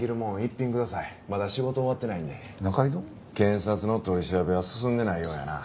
検察の取り調べは進んでないようやな。